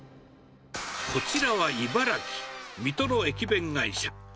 こちらは茨城・水戸の駅弁会社。